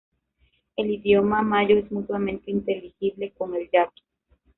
El idioma mayo es mutuamente inteligible con el yaqui.